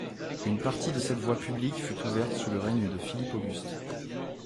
Une partie de cette voie publique fut ouverte sous le règne de Philippe Auguste.